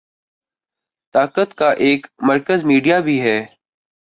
طاقت کا ایک مرکز میڈیا بھی ہے۔